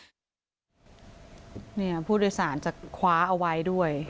เนี่ยผู้โดยสารจะคว้าเอาไว้ด้วย